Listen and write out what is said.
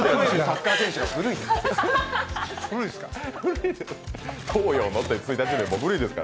サッカー選手が古いです。